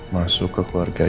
masuk ke keluarga